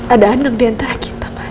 ada anak di antara kita